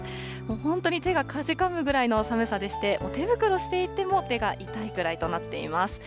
本当に手がかじかむぐらいの寒さでして、手袋していても、手が痛いくらいとなっています。